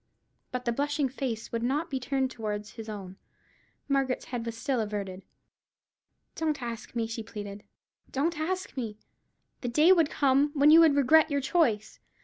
But the blushing face would not be turned towards his own. Margaret's head was still averted. "Don't ask me," she pleaded; "don't ask me. The day would come when you would regret your choice.